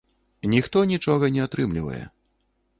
Ніхто нічога не атрымлівае.